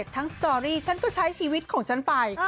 สตอรี่ฉันก็ใช้ชีวิตของฉันไป